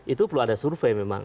itu perlu ada survei memang